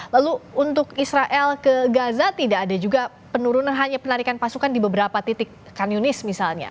lalu untuk israel ke gaza tidak ada juga penurunan hanya penarikan pasukan di beberapa titik kan yunis misalnya